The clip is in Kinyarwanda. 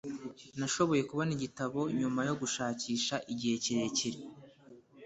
Nashoboye kubona igitabo nyuma yo gushakisha igihe kirekire.